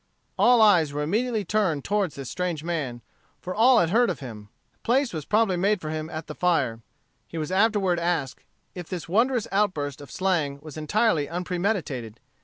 '" All eyes were immediately turned toward this strange man, for all had heard of him. A place was promptly made for him at the fire. He was afterward asked if this wondrous outburst of slang was entirely unpremeditated.